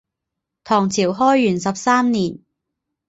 唐朝开元十三年。